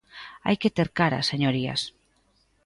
Hai que ter cara, señorías.